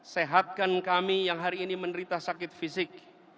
sehatkan kami yang hari ini menderita sakit fisik